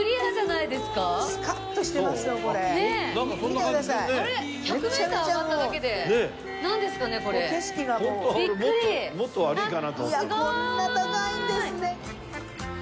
いやこんな高いんですね。